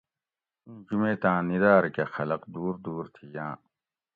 اِیں جُمیتاۤں نِداۤر کہ خلق دُور دُور تھی یاۤں